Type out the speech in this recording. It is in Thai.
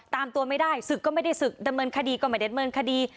ตามตัวไม่ได้ศึกก็ไม่ได้ศึกดำเนินคดีก็ไม่ได้ดำเนินคดี